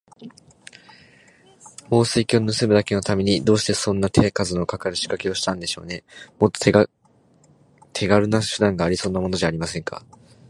宝石をぬすむだけのために、どうしてそんな手数のかかるしかけをしたんでしょうね。もっと手がるな手段がありそうなものじゃありませんか。